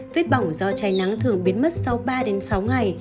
vết bỏng do cháy nắng thường biến mất sau ba sáu ngày